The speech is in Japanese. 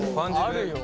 あるよ。